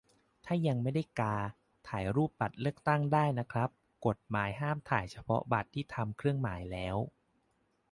ถ้ายังไม่ได้กา ถ่ายรูปบัตรเลือกตั้งได้นะครับ กฎหมายห้ามถ่ายเฉพาะบัตรที่ถูกทำเครื่องหมายแล้ว